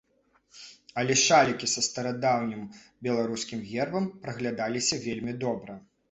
Але шалікі са старадаўнім беларускім гербам праглядаліся вельмі добра.